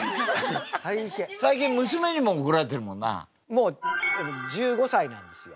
もう１５歳なんですよ。